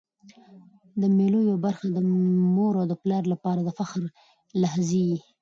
د مېلو یوه برخه د مور او پلار له پاره د فخر لحظې يي.